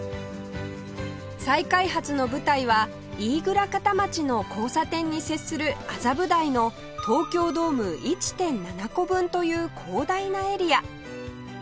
再開発の舞台は飯倉片町の交差点に接する麻布台の東京ドーム １．７ 個分という広大なエリア